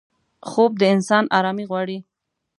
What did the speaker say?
خوب د انسان آرامي غواړي